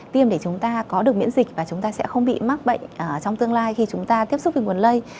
tiêm để chúng ta có được miễn dịch và chúng ta sẽ không bị mắc bệnh trong tương lai khi chúng ta tiếp xúc với nguồn lây